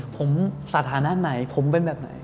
ผมสถานะไหนผมเป็นแบบไหน